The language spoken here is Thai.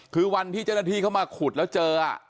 คือวันที่เจ้าหน้าที่เขามาขุดแล้วเจอ